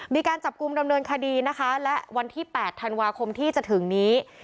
มีการจับกลุ่มดำเนินคดีนะคะและวันที่๘ธันวาคมที่จะถึงนี้